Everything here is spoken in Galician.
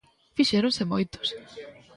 Fixéronse moitos.